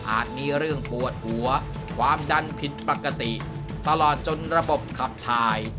มีเรื่องปวดหัวความดันผิดปกติตลอดจนระบบขับถ่าย